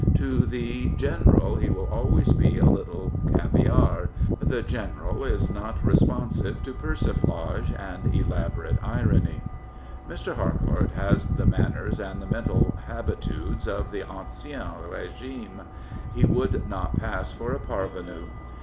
To the general he will always be a little caviare. "The general " is not responsive to persiflage arid elaborate irony. "^ Mr. Harcourt has the manners and the mental habitudes of the ancien rigime. He would not pass for a parvenu.